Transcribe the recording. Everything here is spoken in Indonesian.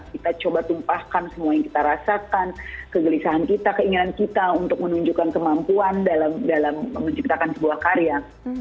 kita coba tumpahkan semua yang kita rasakan kegelisahan kita keinginan kita untuk menunjukkan kemampuan dalam menciptakan sebuah karya